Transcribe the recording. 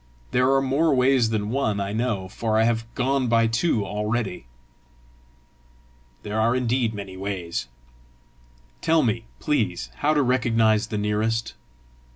There are more ways than one, I know, for I have gone by two already." "There are indeed many ways." "Tell me, please, how to recognise the nearest."